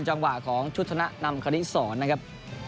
จังหวะของชุดธนนั่มคลิสสอนนะครับ